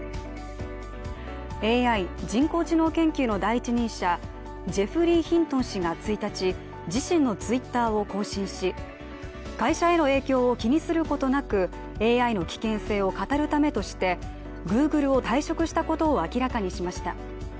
ＡＩ＝人工知能研究の第一人者、ジェフリー・ヒントン氏が１日自身のＴｗｉｔｔｅｒを更新し会社への影響を気にすることなくＡＩの危険性を語るためとしてＧｏｏｇｌｅを退職したことを明らかにしました。